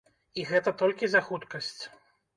І гэта толькі за хуткасць.